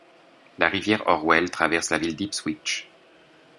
La rivière Orwell traverse la ville d’Ipswich.